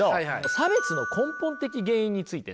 差別の根本的原因についてね